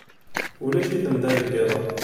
Ulac-iten da deg yiḍ-a.